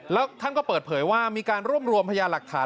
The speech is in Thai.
แล้วท่านก็เปิดเผยว่ามีการรวบรวมพยาหลักฐาน